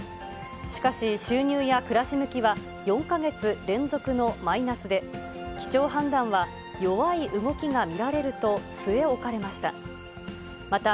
しかし、収入や暮らし向きは、４か月連続のマイナスで、基調判断は弱い動きが見られると据え置かれました。